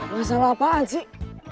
masalah apaan sih